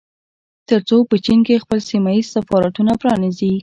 ترڅو په چين کې خپل سيمه ييز سفارتونه پرانيزي